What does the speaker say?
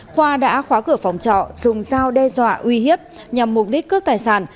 khoa đã khóa cửa phòng trọ dùng dao đe dọa uy hiếp nhằm mục đích cướp tài sản